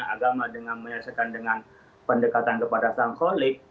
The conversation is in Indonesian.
agama dengan menyelesaikan dengan pendekatan kepada sankholik